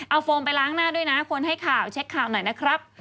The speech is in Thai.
เอาโฟมไปล้างหน้าด้วยนะคนให้ข่าวเช็คข่าวหน่อยนะครับ